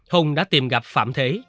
hùng đã tìm gặp phạm thế